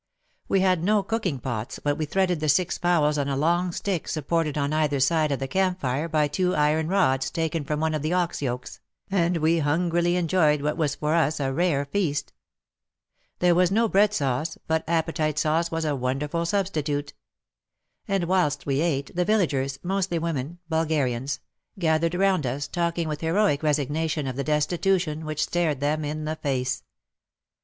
We had no cooking pots, but we threaded the six fowls on a long stick supported on either side of the camp fire by two iron rods taken from one of the ox yokes, and we hungrily enjoyed what was for us a rare feast. There was no bread sauce, but appetite sauce was a 90 WAR AND WOMEN 91 wonderful substitute. And whilst we ate, the villagers — mostly women — (Bulgarians) gath ered round us, talking with heroic resignation of the destitution which stared them in the face.